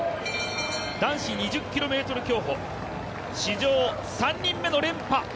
男子２０ｋｍ競歩、史上３人目の連覇。